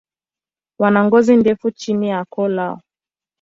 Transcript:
Wana ngozi ndefu chini ya koo lao.